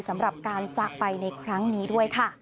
สำหรับการจากไปในครั้งนี้ด้วยค่ะ